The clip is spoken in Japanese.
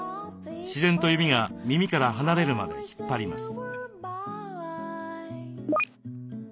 自然と指が耳から離れるまで引っ張ります。